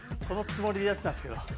そのつもりでやってたんですけど。